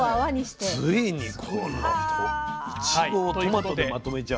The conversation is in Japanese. ついにこのあといちごをトマトでまとめちゃう。